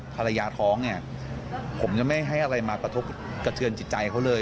ภรรยาท้องเนี่ยผมจะไม่ให้อะไรมากระทบกระเทือนจิตใจเขาเลย